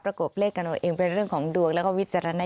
ประกบเลขกับโน้นเองเป็นเรื่องของดวงและวิจารณญา